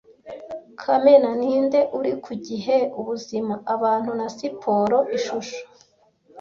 Kamena ninde uri ku Gihe, Ubuzima, Abantu, na Siporo Ishusho